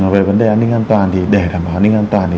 về vấn đề an ninh an toàn thì để đảm bảo an ninh an toàn